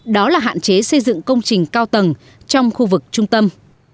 đó là hạn chế xây dựng công trình cao tầng trong khu vực trung tâm